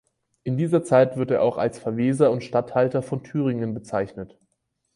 In dieser Zeit wird er auch als Verweser und Statthalter von Thüringen bezeichnet.